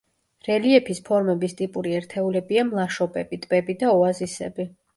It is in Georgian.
რელიეფის ფორმების ტიპური ერთეულებია: მლაშობები, ტბები და ოაზისები.